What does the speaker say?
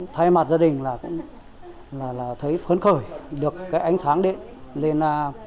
thay mặt gia đình là thấy phấn khởi được cái ánh sáng điện